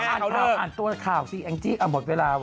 อ่านตัวข่าวจริงหมดเวลา